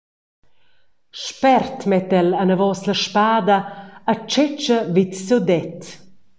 Spert metta el anavos la spada e tschetscha vid siu det.